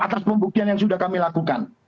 atas pembuktian yang sudah kami lakukan